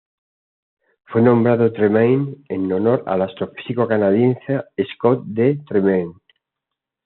Fue nombrado Tremaine en honor al astrofísico canadiense Scott D. Tremaine.